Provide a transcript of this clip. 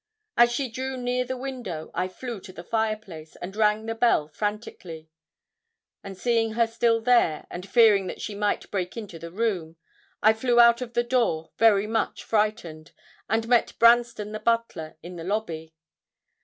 As she drew near the window, I flew to the fireplace, and rang the bell frantically, and seeing her still there, and fearing that she might break into the room, I flew out of the door, very much frightened, and met Branston the butler in the lobby.